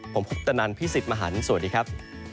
ผมพุธนันทร์พี่สิทธิ์มหันธ์สวัสดีครับ